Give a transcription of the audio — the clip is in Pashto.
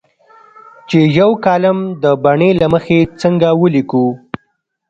چې یو کالم د بڼې له مخې څنګه ولیکو.